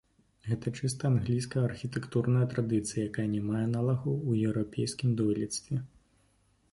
Гэта чыста англійская архітэктурная традыцыя, якая не мае аналагаў у еўрапейскім дойлідстве.